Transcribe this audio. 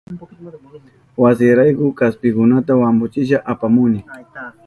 Wasirayku kaspikunata wampuchishpa apamuni.